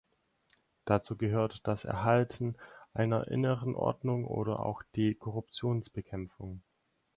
Dazu gehört das Erhalten einer inneren Ordnung oder auch die Korruptionsbekämpfung.